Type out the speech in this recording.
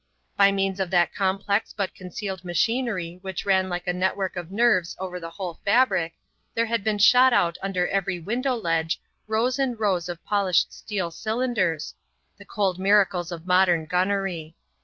By means of that complex but concealed machinery which ran like a network of nerves over the whole fabric, there had been shot out under every window ledge rows and rows of polished steel cylinders, the cold miracles of modern gunnery.